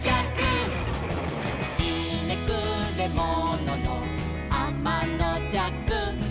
「ひねくれもののあまのじゃく」